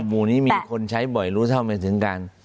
หมู่นี้มีคนใช้บ่อยรู้เท่าไม่ถึงการ